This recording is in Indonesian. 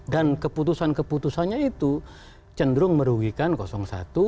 dan keputusan keputusannya itu cenderung merugikan satu